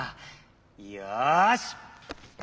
よし！